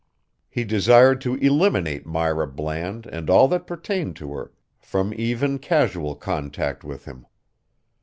He desired to eliminate Myra Bland and all that pertained to her from even casual contact with him.